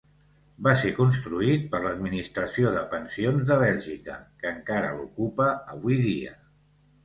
Va ser construït per l'Administració de Pensions de Bèlgica, que encara l'ocupa avui dia.